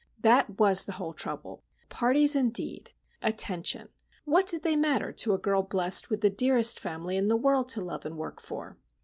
That was the whole trouble! Parties, indeed! attention! What did they matter to a girl blessed with the dearest family in the world to love and work for?